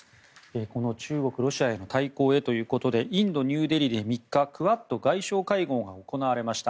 この中国ロシアへの対抗へということでインド・ニューデリーで３日クアッド外相会合が行われました。